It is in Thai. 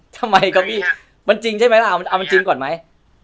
ทำไมกับพี่มันจริงใช่ไหมล่ะมันเอามันจริงก่อนไหม